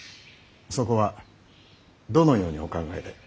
そこはどのようにお考えで？